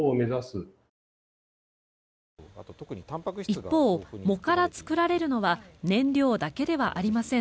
一方、藻から作られるのは燃料だけではありません。